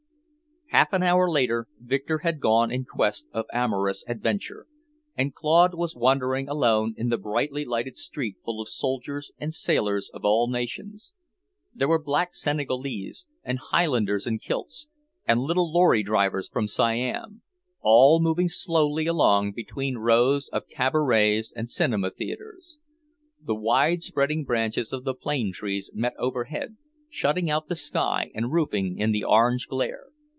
Half an hour later Victor had gone in quest of amorous adventure, and Claude was wandering alone in a brightly lighted street full of soldiers and sailors of all nations. There were black Senegalese, and Highlanders in kilts, and little lorry drivers from Siam, all moving slowly along between rows of cabarets and cinema theatres. The wide spreading branches of the plane trees met overhead, shutting out the sky and roofing in the orange glare.